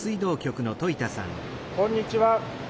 こんにちは。